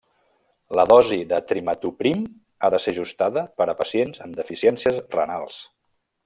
La dosi del trimetoprim ha de ser ajustada per a pacients amb deficiències renals.